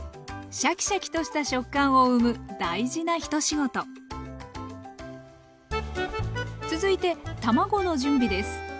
シャキシャキとした食感を生む大事な一仕事！続いて卵の準備です。